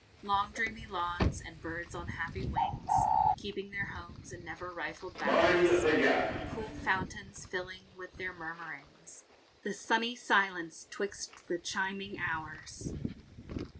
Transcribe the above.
Long dreamy lawns, and birds on happy wings, Keeping their homes in never rifled bowers; Cool fountains filling with their murmurings The sunny silence 'twixt the chiming hours.